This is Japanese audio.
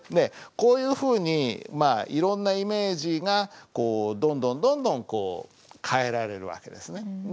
こういうふうにまあいろんなイメージがこうどんどんどんどん変えられる訳ですね。